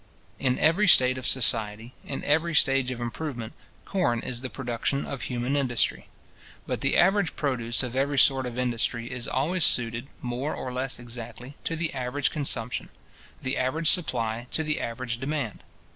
In every state of society, in every stage of improvement, corn is the production of human industry. But the average produce of every sort of industry is always suited, more or less exactly, to the average consumption; the average supply to the average demand.